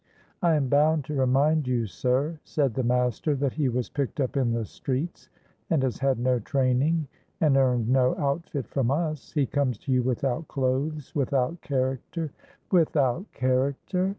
"I am bound to remind you, sir," said the master, "that he was picked up in the streets, and has had no training, and earned no outfit from us. He comes to you without clothes, without character"— "Without character?"